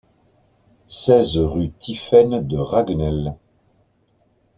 seize rue Tiphaine de Raguenel